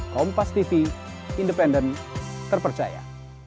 kompas tv independen terpercaya